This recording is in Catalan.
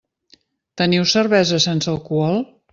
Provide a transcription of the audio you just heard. Teniu cervesa sense alcohol?